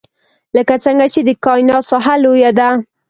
لکه څنګه چې د کاینات ساحه لوی ده.